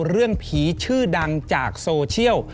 เรื่องผีชื่อดังจากโซเชียล